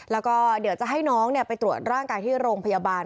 แล้วก็เดี๋ยวจะให้น้องไปตรวจร่างกายที่โรงพยาบาล